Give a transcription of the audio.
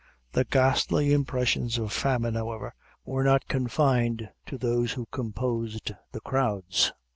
The ghastly impressions of famine, however, were not confined to those who composed the crowds.